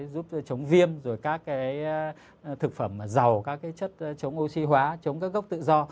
giúp chống viêm rồi các cái thực phẩm mà giàu các cái chất chống oxy hóa chống các gốc tự do